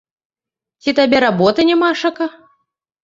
Ці табе работы нямашака?!